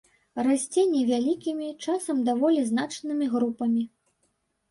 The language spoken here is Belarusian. Расце невялікімі, часам даволі значнымі групамі.